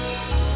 ya udah yaudah